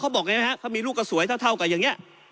เขาบอกไงครับเขามีลูกกระสวยเท่ากับอย่างนี้